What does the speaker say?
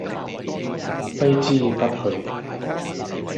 揮之不去